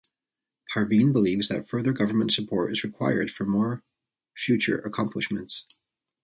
Parveen believes that further government support is required for more future accomplishments.